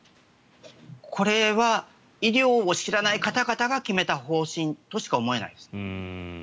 これは医療を知らない方々が決めた方針としか思えないです。